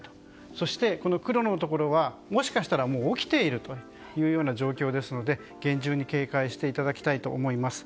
そして黒のところはもしかしたら起きているかもしれない状況ですので厳重に警戒していただきたいと思います。